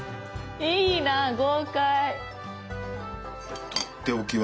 いいな豪快！